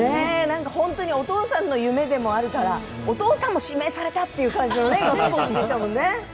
本当にお父さんの夢でもあるからお父さんも指名されたみたいなガッツポーズでしたもんね。